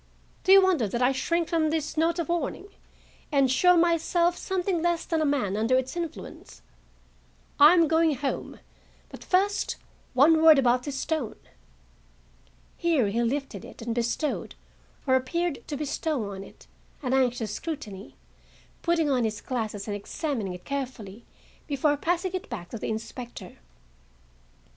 Do you wonder that I shrink from this note of warning, and show myself something less than a man under its influence? I am going home; but, first, one word about this stone." Here he lifted it and bestowed, or appeared to bestow on it, an anxious scrutiny, putting on his glasses and examining it carefully before passing it back to the inspector.